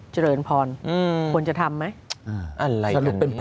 เจริญพรควรจะทำไหม